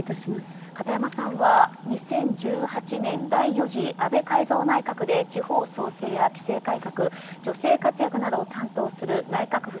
片山さんは２０１８年第４次安倍改造内閣で地方創生や規制改革女性活躍などを担当する内閣府